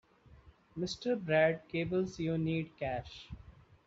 Mr. Brad cables you need cash.